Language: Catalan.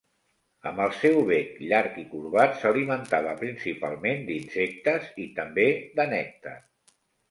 Amb el seu bec llarg i corbat s'alimentava principalment d'insectes i també de nèctar.